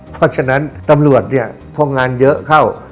เพราะฉะนั้นตำรวจพวกงานเยอะเข้า